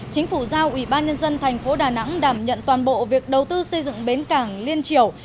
chính phủ giao ủy ban nhân dân thành phố đà nẵng đảm nhận toàn bộ việc đầu tư xây dựng bến cảng liên triều